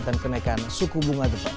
dan kenaikan suku bunga depan